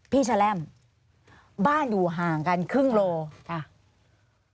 พี่ชะแรมบ้านอยู่ห่างกันครึ่งโลกรัม